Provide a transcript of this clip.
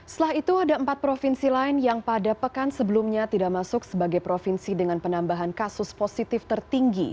setelah itu ada empat provinsi lain yang pada pekan sebelumnya tidak masuk sebagai provinsi dengan penambahan kasus positif tertinggi